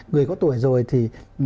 người có tuổi rồi thì